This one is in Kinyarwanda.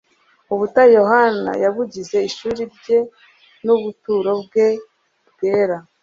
Ubutayu Yohana yabugize ishuri rye n'ubuturo bwe bwera.